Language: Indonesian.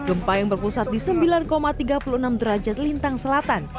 gempa yang berpusat di sembilan tiga puluh enam derajat lintang selatan